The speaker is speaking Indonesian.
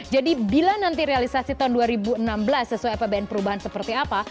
jadi bila nanti realisasi tahun dua ribu enam belas sesuai apbn perubahan seperti apa